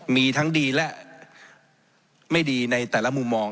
มีทั้งดีและไม่ดีในแต่ละมุมมอง